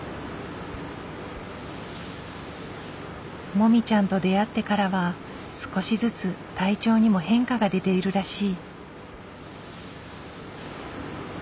もみちゃんと出会ってからは少しずつ体調にも変化が出ているらしい。